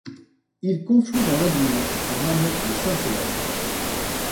Il conflue dans l'Adour en amont de Saint-Sever.